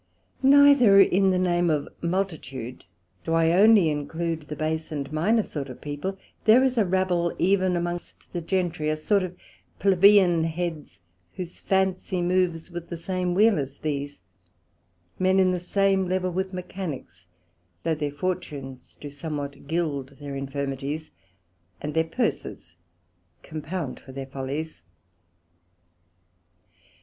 Neither in the name of Multitude do I onely include the base and minor sort of people; there is a rabble even amongst the Gentry, a sort of Plebeian heads, whose fancy moves with the same wheel as these; men in the same Level with Mechanicks, though their fortunes do somewhat guild their infirmities, and their purses compound for their follies.